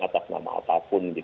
atau nama apapun